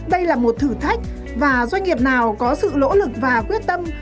đây là một thử thách và doanh nghiệp nào có sự lỗ lực và quyết tâm